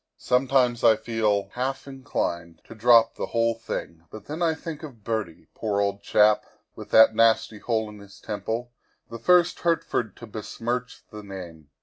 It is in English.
Some times I feel half inclined to drop the whole thing, man hunting is not to my taste, but then I think of Bertie, poor old chap, with that nasty hole in his temple the first Hertford to be smirch the name.